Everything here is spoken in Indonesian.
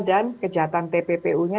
dan kejahatan tppu nya